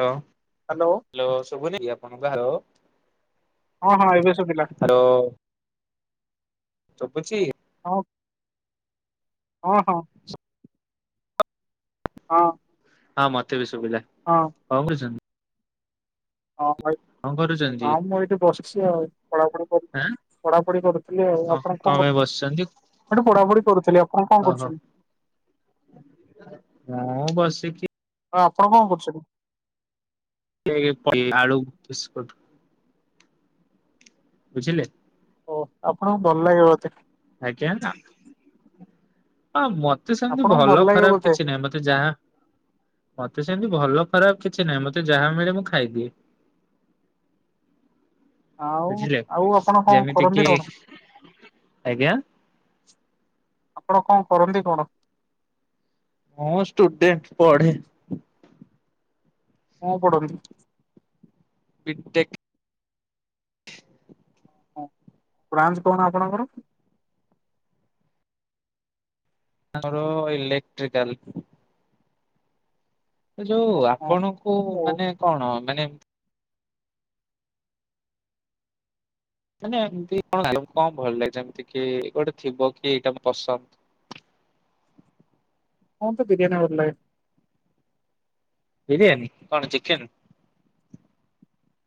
Hello hello. Hello ଶୁଭୁନି କି ଆପଣଙ୍କୁ ହାଲୋ। ହଁ ହଁ ଏବେ ଶୁଭିଲା। ଚପୁଛି? ହଁ ହଁ। ହଁ। ହଁ ମତେ ବି ଶୁଭିଲା, ହଁ। କଣ କହୁଚନ୍ତି? ହଁ ହଁ କଣ କରୁଛନ୍ତି ହଁ ମୁଁ ଏଇଠି ବସିଚି। ଆଉ ପଢାପଢି କର ପଢାପଢି କରୁଥିଲି। ଆଉ ଆଁ ଆପଣ କଣ ପାଇଁ କରୁଚନ୍ତି? ବସିଛନ୍ତି? ସେଠୁ ପଢାପଢି କରୁଥିଲି। ଆପଣ କଣ କରୁଚନ୍ତି? ହଁ ବସ୍ ହଁ ଆପଣ କଣ କରୁଚନ୍ତି? [unintelligible] ଆଳୁ ବିସ୍କୁଟ ବୁଝିଲେ? ଓ ଆପଣଙ୍କୁ ଭଲ ଲାଗେ ବୋଧେ। ଆଜ୍ଞା। ଆ ମତେ ତେ ସେମିତି ଆପଣଙ୍କୁ ଭଲ ଲାଗେ ଖରାପ ବୋଧେ କିଛି ନାହିଁ। ମତେ ଯାହା ମତେ ସେମିତି ଭଲ ଖରାପ କିଛି ନାହିଁ। ମତେ ଯାହା ମିଳେ ମୁଁ ଖାଇଦିଏ। ଆଉ ବୁଝିଲେ ଆଉ ଆପଣ କଣ ଯେମିତି କରନ୍ତି କିି? କଣ ଆଜ୍ଞା। ଆପଣ କଣ କରନ୍ତି କଣ? ହଁ ଷ୍ଟୁଡେଣ୍ଟ୍ ପଢ଼େ। କଣ ପଢନ୍ତି? ବି ଟେକ। ବ୍ରାଞ୍ଚ କଣ ଆପଣଙ୍କର? ଆମର ଇଲେକ୍ଟ୍ରିକାଲ। ଯୋଉ ହଁ। ଆପଣଙ୍କୁ ଆଉ ମୋ ମାନେ କଣ? ମାନେ ମାନେ ଏମତି କଣ କଣ ଭଲ ଲାଗେ ଯେମିତି କି ଗୋଟେ ଥିବ କି ଏଇଟା ପସନ୍ଦ। ମତେ ବିରିୟାନୀ ଭଲ ଲାଗେ। ବିରିୟାନୀ କଣ ଚିକେନ?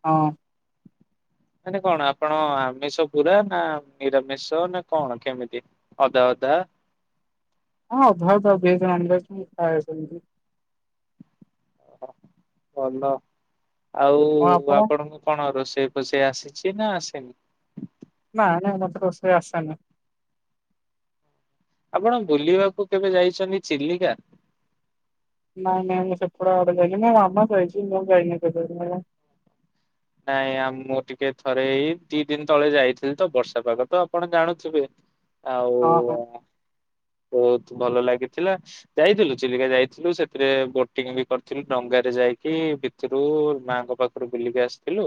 ହଁ। ମାନେ କଣ ଆପଣ ଆମିଷ ପୁରା ନା ନିରାମିଷ ନା କଣ କେମିତି ଅଦର ଦା ହଁ ଅଧା ବେଜେ ନନ ଭେଜ ମୁଁ ଖାଏ ସେମିତି। ଓ ଭଲ ଆଉ ହଁ ଆପଣ ଆପଣଙ୍କୁ କଣ ରୋଷେଇ ଫସେଇ ଆସେ? ଆସେ ନା ଆସେନି? ନା ନା ମତେ ରୋଷେଇ ଆସେନି। ଆପଣ ବୁଲିବାକୁ କେବେ ଯାଇଛନ୍ତି ଚିଲିକା? ନାଇଁ ନାଇଁ ମୁଁ ସେପଟ ଆଡ ଯାଇନି ମୋ ମାମା ଯାଇଛି ମୁଁ ଯାଇନି। ନାଇଁ ଆ ମୁଁ ଟିକେ ଥରେ ଏଇ ଦି ଦିନ ତଳେ ଯାଇଥିଲି ତ ବର୍ଷା ପାଗ ତ ଆପଣ ଜାଣୁଥିବେ। ଆଉ ହଁ ହଁ। ବହୁତ ଭଲ ଲାଗିଥିଲା ଯାଇଥିଲୁ ଚିଲିକା ଯାଇଥିଲୁ ସେଥିରେ ବୋଟିଂ ବି କରିଥିଲୁ ଡଙ୍ଗାରେ। ଯାଇକି ଭିତରୁ ମାଙ୍କ ପାଖରୁ ବୁଲିକି ଆସିଥିଲୁ।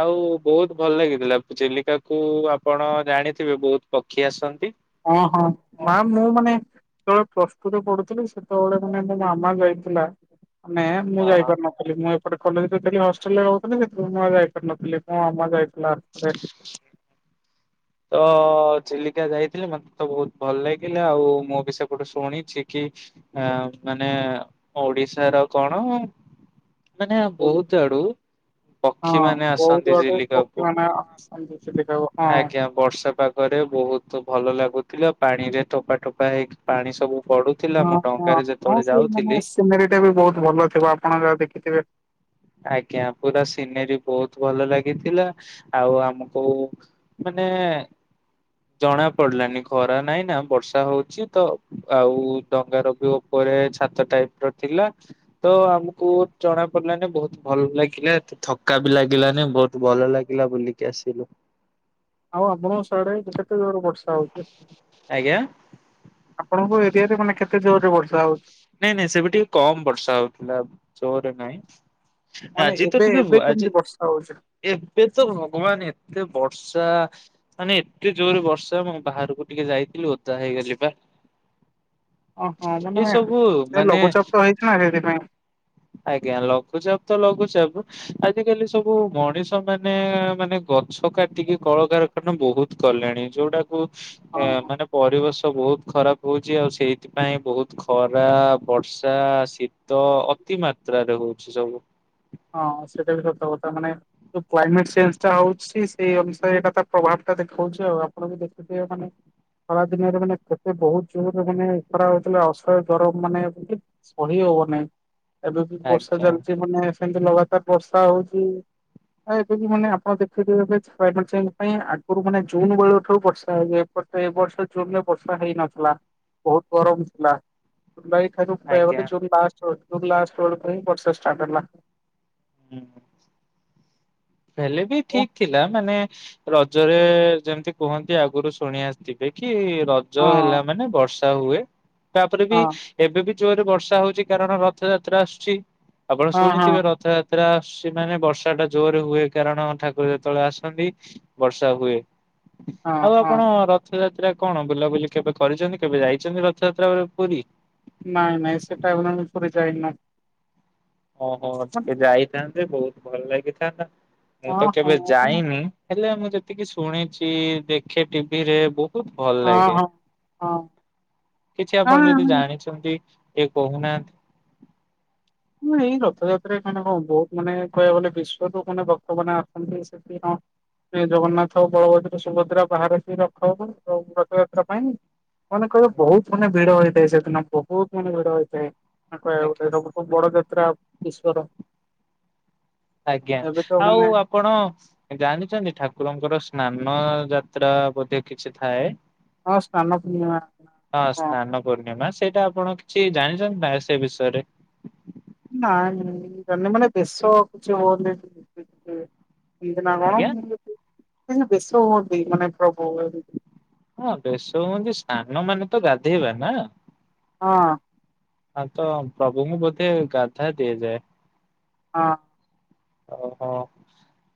ଆଉ ବହୁତ ଭଲ ଲାଗିଥିଲା ଚିଲିକା କୁ ଆପଣ ଜାଣିଥିବେ ବହୁତ ପକ୍ଷୀ ଆସନ୍ତି। ହଁ ହଁ ମା ମୁଁ ମାନେ ଯେତେବେଳେ ପ୍ଲସଟୁରେ ପଢୁଥିଲି ସେତେବେଳେ ମାନେ ମୋ ମାମା ଯାଇଥିଲା। ମାନେ ମୁଁ ହଁ ଯାଇପାରି ନଥିଲି ମୁଁ ଗୋଟେ କଲେଜ ଥିଲି ହଷ୍ଟେଲ ରେ ରହୁଥିଲି ସେଥିପାଇଁ ମୁଁଯାଇପାରୁିନଥିଲି ମୋ ମାମା ଯାଇିଥିଲେ। ଲା [unintelligible] ତ ଚିଲିକା ଯାଇଥିଲି ମତେ ତ ବହୁତ ଭଲ ଲାଗିଲା ଆଉ ମୁଁ ବି ସେପଟୁ ଶୁଣିଛି କି। ଆ ମାନେ ଓଡିଶା ର କଣ ହ ମାନେ ବହୁତ ଆଡୁ ପକ୍ଷୀ ମାନେ ବହୁତ ଆସନ୍ତି ବାଟ ପକ୍ଷୀ ଚିଲିକାକୁ। ମାନେ ଆସନ୍ତି ଚିଲିକାକୁ ହଁ। ଆଜ୍ଞା ବର୍ଷା ପାାଗରେ ବହୁତ ଭଲ ଲାଗୁ ଥିଲା ପାଣିରେ ଟୋପା ଟୋପା ହେଇକି ପାଣି ସବୁ ପଡୁଥିଲା ହ ମୁଁ ହଁ ଡଙ୍ଗାରେ ହଁ ଯେତେବେଳେ ସେଇ ମେ ଯାଉଥିଲି ସିନେରୀ ଟା ବି ବହୁତ ଭଲ ଥିବ ଆପଣ ଯାହା ଦେଖିଥିବେ। ଆଜ୍ଞା ପୁରା ସିନେରୀ ବହୁତ ଭଲ ଲାଗିଥିଲା ଆଉ ଆମକୁ ମାନେ ଜଣା ପଡିଲାନି ଖରା ନାଇଁ ନା ବର୍ଷା ହଉଛି ତ ଆଉ ଡଙ୍ଗାର ବି ଉପ ଛାତ ଟାଇପ ର ଥିଲା ତ ଆମକୁ ଜଣା ପଡିଲାନି ବହୁତ ଭଲ ଲାଗିଲା ଥକା ବି ଲାଗିଲାନି ବହୁତ ଭଲ ଲାଗିଲା ବୁଲିକି ଆସିଲୁ। ଆଉ ଆପଣଙ୍କ ସାଡେ କେତେ ଜୋର ବର୍ଷା ହଉଛି? ଆଜ୍ଞା ଆପଣଙ୍କ ଏରିଆ ରେ ମାନେ କେତେ ଜୋରରେ ବର୍ଷା ହଉଛି? ନାଇଁ ନାଇଁ ସେବେ ଟିକେ କମ ବର୍ଷା ହଉଥିଲା ଜୋରେ ନାହିଁ। ମାନେ ଆଜି ତ ଏବେ ଟିକେ ଏବେ ହୁ ଆଜି କେମିତି ବର୍ଷା ହଉଛି? ଏବେ ତ ଭଗବାନ ଏତେ ବର୍ଷା ମାନେ ଏତେ ଜୋର ବର୍ଷା ମୁଁ ବାହାରକୁ ଟିକେ ଯାଇଥିଲି ଓଦା ହେଇଗଲି ପା। ଓହୋ ମାନେ ସେ ଲଘୁଚାପ ତ ହେଇଥିଲା ସେଥିପାଇଁ। ଆଜ୍ଞା ଲଘୁଚାପ ତ ଲଘୁଚାପ ଆଜିକାଲି ସବୁ ମଣିଷ ମାନେ ମାନେ ଗଛ କାଟିକି କଳକାରଖାନା ବହୁତ କଲେଣି। ଯୋଉଟାକୁ ହଁ ଏ ମାନେ ପରିବେଶ ତ ବହୁତ ଖରାପ ହଉଛି। ଆଉ ସେଇଥିପାଇଁ ବହୁତ ଖରା ବର୍ଷା ଶୀତ ପ୍ରତି ମାତ୍ରାରେ ହଉଛି ସବୁ। ହଁ ସେଇଟା ବି ସତ କଥା ମାନେ ଯୋଉ କ୍ଲାଇମେଟ ଚେଞ୍ଜ ଟା ହଉଛି ସେଇ ଅନୁସାରେ ଏଇଟା ତ ପ୍ରଭାବ ଟା ଦେଖାଉଛି ଆଉ ଆପଣ ବି ଦେଖୁଥିବେ ମାନେ ଖରା ଦିନରେ ମାନେ କେତେ ବହୁତ ଜୋରରେ ମାନେ ଖରା ହଉଥିଲା ଅସହୟ ଗରମ ମାନେ ସହି ହ ନାଇଁ ଏବେ ବି ବର୍ଷା ଆଜ୍ଞା ଚାଲିଛି ମାନେ ସେମିତି ଲଗାତାର ବର୍ଷା ହଉଛି। ଏବେିବି ମାନେ ଆପଣ ଦେଖିେଵ କ୍ଲାଇମେଟ ଚେଞ୍ଜ ପାଇଁ ଆଗରୁ ମାନେ ଜୁନ ବେଳ ଠାରୁ ବର୍ଷା ହେଇଯାଇଥିବ। ଏ ବର୍ଷ ଜୁନ ରେ ବର୍ଷା ହେଇନଥିଲା ବହୁତ ଗରମ ଥିଲା। ଜୁଲାଈ ଠାରୁ କହିବାକୁ ଆଜ୍ଞା ଗଲେ ଜୁ୍ନ ଲାଷ୍ଟ ବେଳକୁ ଜୁ୍ନ ଲାଷ୍ଟ ବେଳକୁ ହିଁ ବର୍ଷା ଷ୍ଟାର୍ଟ ହେଲା। ହୁଁ ହେଲେ ବି ଓ ଠିକ ଥିଲା ମାନେ ରଜରେ ଯେମିତି କୁହନ୍ତି ଆଗରୁ ଶୁଣି ଆସିଥିବେ କି ରଜ ହେଲା ହଁ ମାନେ ବର୍ଷା। ତ ହୁଏ ତାପରେ ବି ହଁ ଏବେ ବି ଜୋରରେ ବର୍ଷା ହଉଛି କାରଣ ରଥଯାତ୍ରା ଆସୁଛି। ଆପଣ ହଁ ହଁ ଶୁଣିଥିବେ ରଥଯାତ ଆସୁଛି ମାନେ ବର୍ଷା ଟା ଜୋରରେ ହୁଏ କାରଣ ଠାକୁର ଯେତେବେଳେ ଆସନ୍ତି ବର୍ଷା ହୁଏ। ହଁ ଆଉ ଆପଣ ହଁ ରଥଯାତ୍ରା କଣ ବୁଲାବୁଲି କେବେ କରିଛନ୍ତି କେବେ ଯାଇଛନ୍ତି ରଥଯାତ୍ରା ପୁରୀ? ନାଇଁ ନାଇଁ ସେ ଟାଇମ୍ ରେ ପୁରୀ ଯାଏନାଇଁ। ଓହୋ ଟିକେ ଯାଇଥାନ୍ତେ ବହୁତ ଭଲ ଲାଗିଥାନ୍ତା। ମୁଁ ହଁ ତ କେବେ ହଁ ମାନେ ଯାଇନି ହେଲେ ମୁଁ ଯେତିକି ଶୁଣିଛି ଦେଖେ ଟିଭିରେ ବହୁତ ଭଲ ହଁ ଲାଗେ ହଁ। ହଁ କିଛି ଆପଣ ଯଦି ହଁ ଜାଣିଛନ୍ତି ଏ କହୁନାନ୍ତି ଏଇ ରଥଯାତ୍ରା କାନେ କଣ ବହୁତ ମାନେ କହିବାକୁ ଗଲେ ବିଶ୍ଵରୁୁ ମାନେ ଭକ୍ତ ମାନେ ଆସନ୍ତି ସେଠି କ ସେ ଜଗନ୍ନାଥ ବଳଭଦ୍ର ସୁଭଦ୍ରା ବାହାରେ ସ ରଖ ହବ ରଥଯାତ୍ରା ପାଇଁ ମାନେ କହିବେ ଆଜ୍ଞା ବହୁତ ମାନେ ଭିଡ ହୋଇଥାଏ ସେଦିନ ବହୁତ ମାନେ ଭିଡ ହୋଇଥାଏ ଆଜ୍ଞା କହିବାକୁ ବଡ଼ଯାତ୍ରା ଈଶ୍ୱର ଆଜ୍ଞା ଏବେ ତ ଆଉ ମାନେ ଆପଣ ଜାଣିଛନ୍ତି ଠାକୁରଙ୍କର ସ୍ନାନ ଯାତ୍ରା ବୋଧ କିଛି ଥାଏ ହଁ ହଁ ସ୍ନାନ ପୂର୍ଣ୍ଣିମା ହଁ ସ୍ନାାନ ପୂର୍ଣିମା। ସେଇଟା ଆପଣ କିଛି ଜାଣିଛନ୍ତି ନା ସେ ବିଷୟରେ? ନାଇ ଜାଣିନି ମାନେ ଦେଶ କିଛି ହୁଏନି [unintelligible] ହିନ୍ତି ନା କଣ ଆଜ୍ଞା କାହିଁକି ନା ବେଶ ହୁଅନ୍ତି ମାନେ ପ୍ରଭୁ ହଁ ବେଶ ହୁଅନ୍ତି ସାନ୍ନ ମାନେ ତ ଗାଧେଇବା ନା ହଁ ହଁ ତ ପ୍ରଭୁଙ୍କୁ ବଧେ ଗାଧା ଦିଆ ଯାଏ। ହଁ। ଓ ହୋ।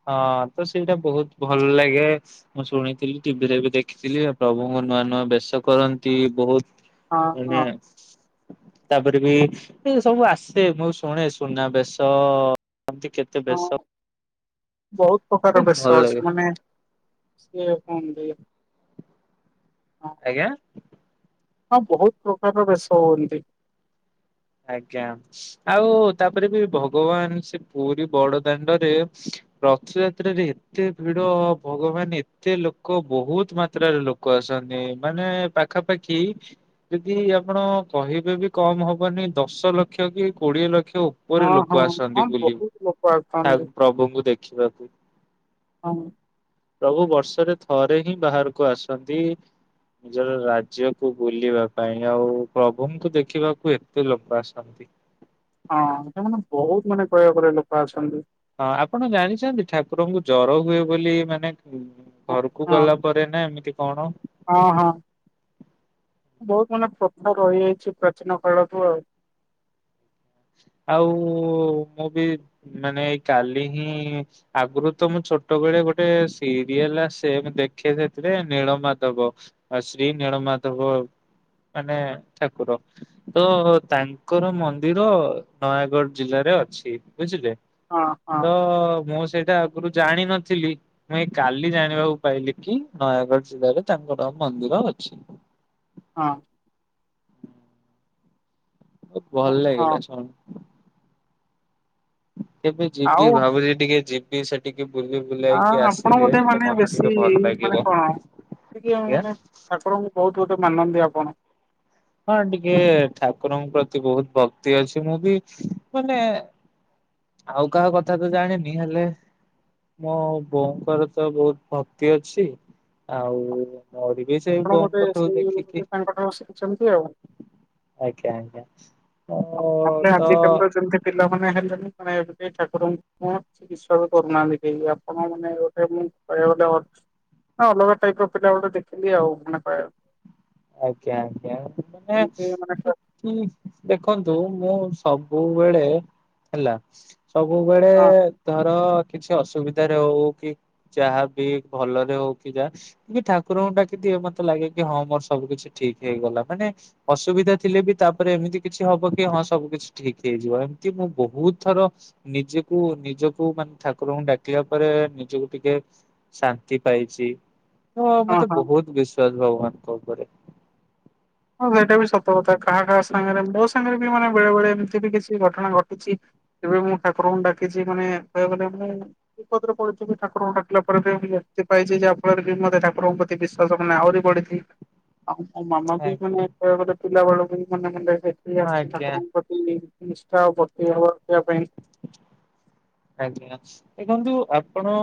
ହଁ ତ ସେଇଟା ବହୁତ ଭଲ ଲାଗେ। ମୁଁ ଶୁଣିଥିଲି, ଟିଭିରେ ବି ଦେଖିଥିଲି ପ୍ରଭୁଙ୍କୁ ନୂଆ ନୂଆ ବେଶ କରନ୍ତି। ବହୁତ ହଁ ମାନେ ହଁ ତାପରେ ବି ଏ ସବୁ ଆସେ ମୁଁ ଶୁଣେ ସୁନା ବେଶ ଏମତି କେତେ ହଁ ବେଶ ବହୁତ ପ୍ରକାର ବହୁତ ଭଲ ବେଶ ଲାଗେ ଅଛି ମାନେ [unintelligible] ହଁ ଆଜ୍ଞା। ହଁ ବହୁତ ପ୍ରକାର ବେଶ ହୁଅନ୍ତି। ଆଜ୍ଞା ଆଉ ତାପରେ ବି ଭଗବାନ ସେ ପୁରୀ ବଡ ଦାଣ୍ଡରେ ରଥଯାତ୍ରାରେ ଏତେ ଭିଡ ଭଗବାନ ଏତେ ଲୋକ ବହୁତ ମାତ୍ରାରେ ଲୋକ ଅ ସନ୍ତି ମାନେ ପାଖାପାଖି ଯଦି ଆପଣ କହିବେ ବି କମ ହବନି ଦଶ ଲକ୍ଷ କି କୋଡିଏ ଲକ୍ଷ ଖ ହଁ ଉପରେ ହଁ ଲୋକ ହଁ ଆସନ୍ତି ବୁଲି ବହୁତ ଲୋକ ତା ଆସନ୍ତି ପ୍ରଭୁଙ୍କୁ ଦେଖିବାକୁ। ହଉ। ପ୍ରଭୁ ବର୍ଷରେ ଥରେ ହିଁ ବାହାରକୁ ଆସନ୍ତି। ନିଜର ରାଜ୍ୟକୁ ବୁଲିବା ପାଇଁ ଆଉ ପ୍ରଭୁଙ୍କୁ ଦେଖିବାକୁୁ କେତେ ଲୋକ ଆସନ୍ତି। ହଁ ସେମାନେ ବହୁତ ମାନେ କହିବାକୁ ଗଲେ ଲୋକ ଆସନ୍ତି। ହଁ ଆପଣ ଜାଣିଛନ୍ତି ଠାକୁରଙ୍କୁ ଜର ହୁଏ ବୋଲି ମାନେ ହଁ ଘରକୁ ଗଲା ହଁ ପରେ ନା ଏମିତି କଣ ହଁ ହଁ ବହୁତ ମାନେ ପ୍ରଥା ରହିଯାଇଛି ପ୍ରାଚୀନ କାଳ ରୁ ଆଉ। [inaudible] ଆଉ ମୁଁ ବି ମାନେ ଏଇ କାଲି ହିଁ ଆଗୁରୁ ତ ମୁଁ ଛୋଟବେଳେ ଗୋଟେ ସିରିଏଲ ଆସେ ମୁ ଦେଖେ ସେଥିରେ ନୀଳମାଧବ ଆଉ ଶ୍ରୀ ନୀଳମାଧବ ମାନେ ଠାକୁର ତ ତାଙ୍କର ମନ୍ଦିର ତ ନୟାଗଡ ଜିଲ୍ଲାରେ ଅଛି ବୁଝିଲେ। ଆଉ ହଁ ତ ମୁଁ ସେଇଟା ଆଗରୁ ଜାଣିିନଥିଲି ମୁଁ ଏ କାଲି ଜାଣିବାକୁ ପାଇଲି କି ନୟାଗଡ ଜିଲ୍ଲାରେ ତାଙ୍କର ମନ୍ଦିର ଅଛି। ହଁ। ହଁ ଭଲ ହଁ ହଁ ଲାଗିଲା ଶୁଣି କେବେ ଯିବି ଆଉ ଭାବୁଛି ଟିକେ ଯିବି ସେଠିକି ବୁଲି ଆ ବୁଲାକି ଆପଣ ଆସିଲେ ବୋଧେ ଟିକେ ମନ ଟିକେ ଭଲ ଲାଗିବ। ଯେମିତି କି ଆଜ୍ଞା ମାନେ ଠାକୁରଙ୍କୁ ବହୁତ ଗୋଟେ ମାନନ୍ତି ଆପଣ ହଁ ଟିକେ ଠାକୁରଙ୍କ ପ୍ରତି ବହୁତ ଭକ୍ତି ଅଛି ମୁଁ ବି ମାନେ ଆଉ କାହା କଥା ତ ଜାଣିନି ହେଲେ ମୋ ବୋଉଙ୍କର ତ ବହୁତ ଭକ୍ତି ଅଛି। ଆଉ ମୋରବି ସେଇ ଆପଣ ଗୋଟେ ବୋଉଙ୍କଠୁ ସେଇ ଦେଖିକି ଗୋଟେ ତାଙ୍କଠାରୁ ଶିଖିଛନ୍ତି ଆଉ ଆଜ୍ଞା ଆଜ୍ଞା ହଁ ଓ ମାନେ ଆଜି ତ କାଲିର ଯେମତି ପିଲା ମାନେ ହେଲେଣି ମାନେ ଏ ଠାକୁରଙ୍କୁ ବିଶ୍ୱାସ କରୁନାହାନ୍ତି କେହି ଆପଣ ମାନେ ଗୋଟେ ମୁଁ କହିବାକୁଗଲେ ଅ ଅଲଗା ଟାଇପ ର ପିଲା ଗୋଟେ ଦେଖିଲି ଆଉ ମାନେ କହ ଆଜ୍ଞା ଆଜ୍ଞା ମାନେ ମାନେ ଏମିତି ଦେଖନ୍ତୁ ତୁ ମୁଁ ସବୁବେଳେ ହେଲା ସବୁବେଳେ ହଁ ଧର କିଛି ଅସୁବିଧାରେ ହଉ କି ଯାହାବି ଭଲରେ ହଉ କି ଯାହା ଠାକୁରଙ୍କୁ ଡାକି ମତେ ଲାଗେ କି ହଁ ମୋର ସବୁ କିଛି ଠିକ ହେଇଗଲା ମାନେ ଅସୁବିଧା ଥିଲେ ବି ତାପରେ ଏମିତି କିଛି ହବ କି ହଁ ସବୁ କିଛି ଠିକ ହେଇଯିବ ଏମିତି ମୁଁ ବହୁତ ଥର ନିଜକୁ ନିଜକୁ ମାନେ ଠାକୁରଙ୍କୁ ଡାକିଲା ପରେ ନିଜକୁ ଟିକେ ଶାନ୍ତି ପାଇଛି। ତ ହଁ ମତେ ହଁ ବହୁତ ବିଶ୍ଵାସ ଭଗବାନଙ୍କ ଉପରେ ହଁ ସେଇଟା ବି ସତ କଥା କାହା କାହା ସାଙ୍ଗରେ ମୋ ସାଙ୍ଗରେ ବି ମାନେ ବେଳେ ବେଳେ ଏମିତି ବି କିଛି ଘଟଣା ଘଟିଛି ଏବେ ମୁଁ ଠାକୁରଙ୍କୁ ଡାକିଛି ମାନେ କହିବା ଗଲେ ମୁ ବିପଦରେ ପଡିଥିଲି ଠାକୁରଙ୍କୁ ଡାକିଲା ପରେ [unintelligible] ପାଇଛି ଯାହାଫଳରେ ବି ମତେ ଠାକୁରଙ୍କ ପ୍ରତି ବିଶ୍ୱାସ ମାନେ ଆହୁରି ବଢିି ଆଉ ମୋ ମାମା ବି ଆଜ୍ଞା। ମାନେ କହିବାକୁ ଗଲେ ପିଲା ବେଳକୁ ମାନେ [unintelligible] ଦେଖିକି ଆସିଛି ଆଜ୍ଞା ଠାକୁରଙ୍କୁ ପ୍ରତି ନିଷ୍ଠା ଭକ୍ତି ଭାବ କରିବା ପାଇଁ। ଆଜ୍ଞା ଦେଖନ୍ତୁ ଆପଣ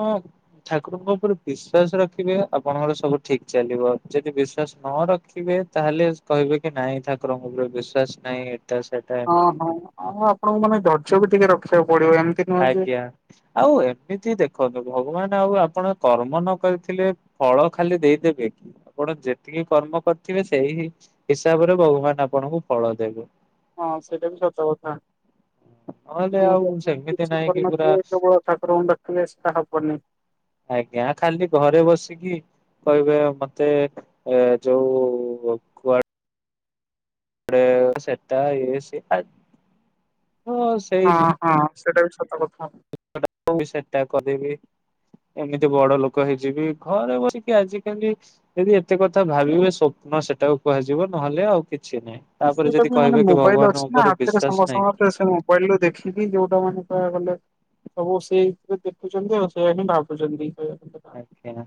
ଠାକୁରଙ୍କ ଉପରେ ବିଶ୍ଵାସ ରଖିବେ ଆପଣଙ୍କର ସବୁ ଠିକ ଚାଲିବ। ଯଦି ବିଶ୍ଵାସ ନ ରଖିବେ ତାହେଲେ କହିବେ କି ନାଇଁ ଠାକୁରଙ୍କ ଉପରେ ବିଶ୍ୱାସ ନାଇଁ ହଁ ହଁ ଆଉ ଆପଣଙ୍କୁ ମାନେ ଧର୍ଯ୍ୟ ବି ଟିକେ ରଖିବାକୁ ପଡିବ ଏମିତି ନୁହଁ ଯେ ଆଜ୍ଞା ଆଉ ଏମିତି ଦେଖନ୍ତୁ ଭଗବାନ ଆଉ ଆପଣ କର୍ମ ନ କରିଥିଲେ ଫଳ ଖାଲି ଦେଇଦେବେ ଆପଣ ଯେତିକି କର୍ମ କରି- ସେଇ ହିସାବରେ ଭଗବାନ ଆପଣଙ୍କୁ ଫଳ ଦେବେ। ହଁ ସେଇଟା ବି ସତ କଥା। ନହେଲେ ଆଉ [unintelligible] ସେମିତି କିଛି ନାହିଁ କି ପୁରା କରିନଥିବେ କେବଳ ଠାକୁରଙ୍କୁ ଡାକିଲେ ସେଟା ହବନି। ଆଜ୍ଞା ଖାଲି ଘରେ ବସିକି କହିବେ ମତେ ଏ ଯୋଉ କୁ ତା ପରେ ସେଟା ଇଏ ସିଏ ତ ସେଇ ହଁ ହଁ ସେଟା ବି ସତ କଥା। ଜିନିଷ ସେଟା କରିବି। ଏମିତି ବଡ ଲୋକ ହେଇଯିବି ଘରେ ବସିକି ଆଜିକାଲି ଯଦି ଏତେ କଥା ଭାବିବେ ସେଟାକୁ କୁହାଯିବ ନହେଲେ ଆଉ କି କିଛି ନାହିଁ ତାପରେ ସେଟା ଯଦି ବି ମାନେ କହିବେ ମୋବାଇଲ ଅଛି ଭଗବାନଙ୍କ ନା ଉପରେ ହାତରେ ବିଶ୍ଵାସ ନାହିଁ ସମସ୍ତଙ୍କର ସେ ମୋବାଇଲୁ ଦେଖିକି ଯୋଉଟା ମାନେ କହିବାକୁ ଗଲେ ସବୁ ସେଇଥିରେ ଦେଖୁଛନ୍ତି ଆଉ ସେଇଆ ହିଁ ଭାବୁଛନ୍ତି। କହିବାକୁ ଗଲେ। ଆଜ୍ଞା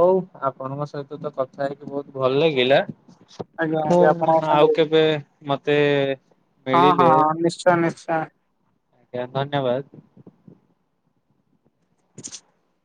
ହଉ ଆପଣଙ୍କ ସହିତ ତ କଥା ହେଇକି ବହୁତ ଭଲ ଲାଗିଲା। ଆଜ୍ଞା ଆଜ୍ଞା ଆପଣଙ୍କ ଆଉ ସାଙ୍ଗରେ କେବେ ମତେ ହଁ ହଁ ମିଳିଲେ ନିଶ୍ଚୟ ନିଶ୍ଚୟ। ଆଜ୍ଞା ଧନ୍ୟବାଦ। [inaudible]